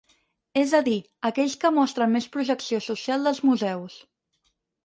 És a dir, aquells que mostren més projecció social dels museus.